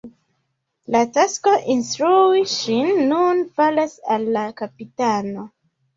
La tasko instrui ŝin nun falas al la kapitano.